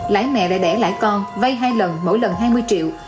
lãi mẹ đã đẻ lãi con vai hai lần mỗi lần hai mươi triệu